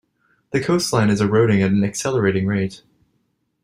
The coastline is eroding at an accelerating rate.